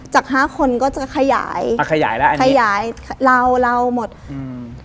จาก๕คนก็จะขยายขยายเล่าเล่าหมดอืม